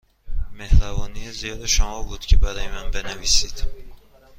مهربانی زیاد شما بود که برای من بنویسید.